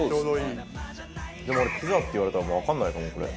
でも俺ピザって言われたらわかんないかもこれ。